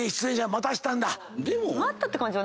待ったって感じは。